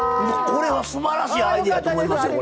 これはすばらしいアイデアやと思いますよ！